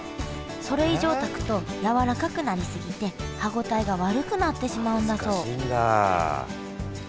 それ以上炊くとやわらかくなりすぎて歯応えが悪くなってしまうんだそうあ難しいんだ。